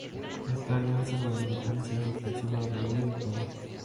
Esta alianza sudamericana se hizo extensiva a Bolivia y Ecuador.